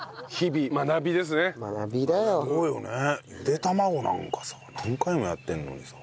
茹で卵なんかさ何回もやってるのにさ。